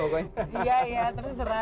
tunggu tunggu tunggu tunggu